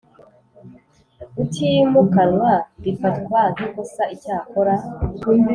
utimukanwa bifatwa nk ikosa Icyakora